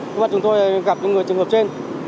thức mắt chúng tôi gặp những người trường hợp trên